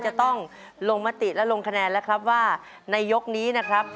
จะต้องลงมติและลงคะแนนแล้วครับว่าในยกนี้นะครับ